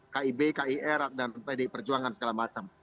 kib kier dan pdip perjuangan segala macam